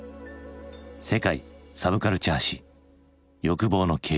「世界サブカルチャー史欲望の系譜」。